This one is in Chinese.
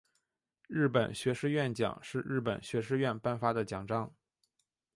日本学士院奖是日本学士院颁发的奖章。